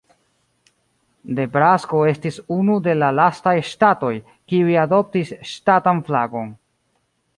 Nebrasko estis unu de la lastaj ŝtatoj, kiuj adoptis ŝtatan flagon.